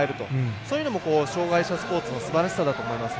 そういうのも障がい者スポーツのすばらしさだと思います。